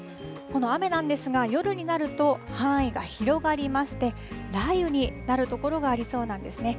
この雨なんですが、夜になると、範囲が広がりまして、雷雨になる所がありそうなんですね。